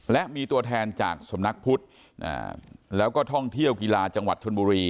และมีตัวแทนจากสำนักพุทธแล้วก็ท่องเที่ยวกีฬาจังหวัดชนบุรี